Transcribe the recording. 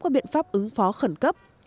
qua biện pháp ứng phó khẩn cấp